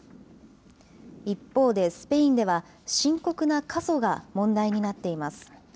一方で、スペインでは深刻な過疎が問題になっています。